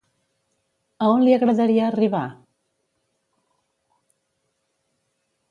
A on li agradaria arribar?